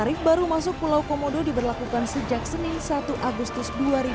tarif baru masuk pulau komodo diberlakukan sejak senin satu agustus dua ribu dua puluh